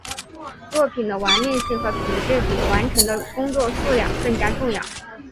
作品的完面性和品质比完成的工作数量更加重要。